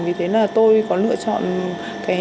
vì thế là tôi có lựa chọn cái